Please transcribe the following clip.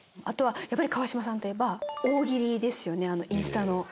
あとはやっぱり川島さんといえば大喜利ですよねインスタの。